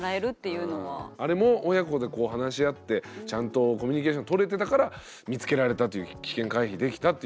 あれも親子でこう話し合ってちゃんとコミュニケーションとれてたから見つけられたという危険回避できたというね。